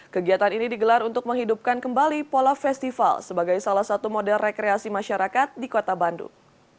kegiatan ini digelar untuk menghidupkan kembali pola festival sebagai salah satu model rekreasi masyarakat di kota bandung